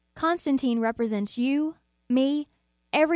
"* Constantine represents you, me, every * Eusb.